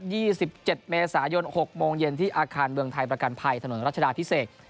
สิบเจ็ดเมษายนหกโมงเย็นที่อาคารเมืองไทยประกันภัยถนนรัชดาพิเศษ